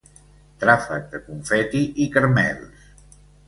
Tràfec de confeti i caramels.